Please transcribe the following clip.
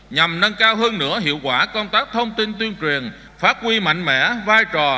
nhằm nâng cao hơn nữa hiệu quả công tác thông tin tuyên truyền phát huy mạnh mẽ vai trò